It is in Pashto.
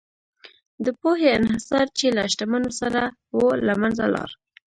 د پوهې انحصار چې له شتمنو سره و، له منځه لاړ.